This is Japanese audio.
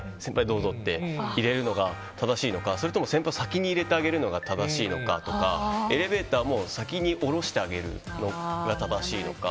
どうぞってやるのが正しいのか、それとも先輩を先に入れてあげるのが正しいのかとかエレベーターも先に降ろしてあげるのが正しいのか。